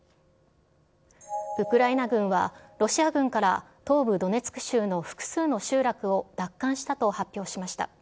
ウクライナ軍は、ロシア軍から東部ドネツク州の複数の集落を奪還したと発表しました。